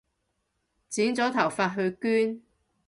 剪咗頭髮去捐